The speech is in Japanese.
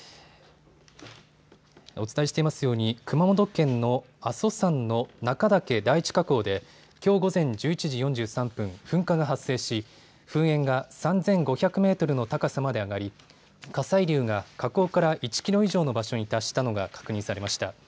お伝えしていますように熊本県の阿蘇山の中岳第一火口できょう午前１１時４３分、噴火が発生し噴煙が３５００メートルの高さまで上がり、火砕流が火口から１キロ以上の場所に達したのが確認されました。